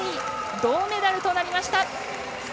銅メダルとなりました。